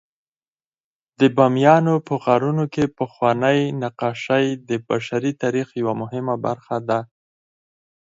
د بامیانو په غارونو کې پخواني نقاشۍ د بشري تاریخ یوه مهمه برخه ده.